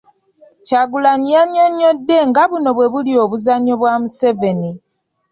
Kyagulanyi yannyonnyodde nga buno bwe buli obuzannyo bwa Museveni